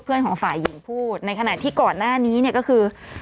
ของฝ่ายหญิงพูดในขณะที่ก่อนหน้านี้เนี่ยก็คือ